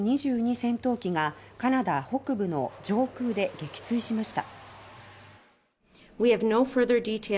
戦闘機がカナダ北部の上空で撃墜しました。